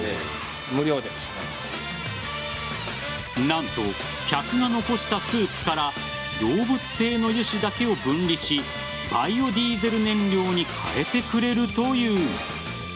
何と、客が残したスープから動物性の油脂だけを分離しバイオディーゼル燃料に変えてくれるという。